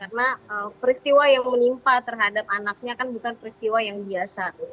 karena peristiwa yang menimpa terhadap anaknya kan bukan peristiwa yang biasa